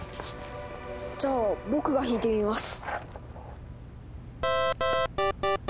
じゃあ僕が弾いてみます。